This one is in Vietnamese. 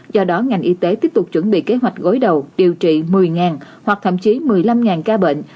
do đó ngành y tế tiếp tục chuẩn bị kế hoạch gối đầu điều trị một mươi hoặc thậm chí một mươi năm ca bệnh